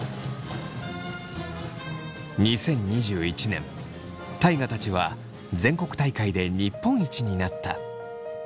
２０２１年大我たちは全国大会で日本一になった。